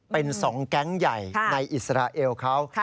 เป็น๒แก๊งใหญ่ในอิสราเอลเขา